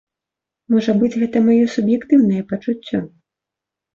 Можа быць, гэта маё суб'ектыўнае пачуццё.